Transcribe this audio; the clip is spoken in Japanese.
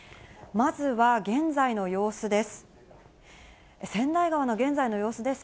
まずは現在の様子です。